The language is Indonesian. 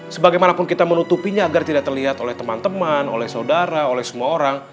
sebagaimanapun kita menutupinya agar tidak terlihat oleh teman teman oleh saudara oleh semua orang